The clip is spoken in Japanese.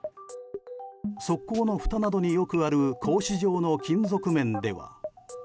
側溝のふたなどによくある格子状の金属面では。